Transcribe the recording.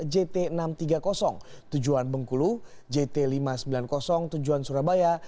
jt enam ratus tiga puluh tujuan bengkulu jt lima ratus sembilan puluh tujuan surabaya